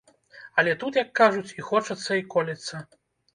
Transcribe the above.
Але тут, як кажуць, і хочацца, і колецца.